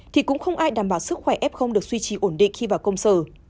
thì cũng không ai đảm bảo sức khỏe f được suy trì ổn định khi vào công sở